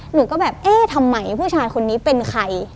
หนูก็แบบเอ๊ะทำไมผู้ชายคนนี้เป็นใคร